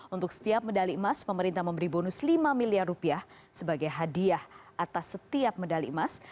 untuk setiap medali emas pemerintah memberi bonus lima miliar rupiah sebagai hadiah atas setiap medali emas